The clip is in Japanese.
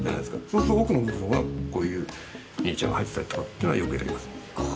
そうすると、奥の部分はこういうミニチュアが入っていたりとかっていうのはよくやります。